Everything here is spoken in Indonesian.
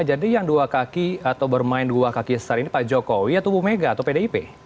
jadi yang dua kaki atau bermain dua kaki setara ini pak jokowi atau bumega atau pdip